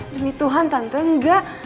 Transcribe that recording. demi tuhan tante engga